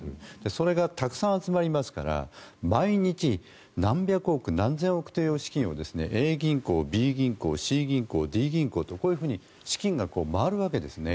それがたくさん集まりますから毎日何百億何千億という資金をＡ銀行、Ｂ銀行、Ｃ銀行とこういうふうに資金が回るわけですね。